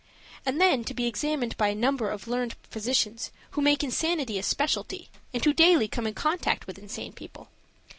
And then to be examined by a number of learned physicians who make insanity a specialty, and who daily come in contact with insane people!